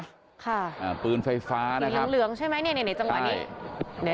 อ่าปืนไฟฟ้านะครับสีเหลืองใช่ไหมเนี่ยในจังหวัดนี้